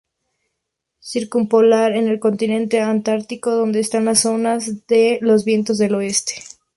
Circumpolar en el continente antártico, donde están las zonas de los vientos del Oeste.